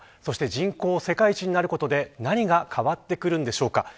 そして人口世界一になることで何が変わってくるんでしょうか。